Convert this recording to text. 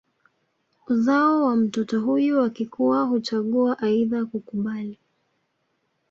Uzao wa mtoto huyu akikua huchagua aidha kukubali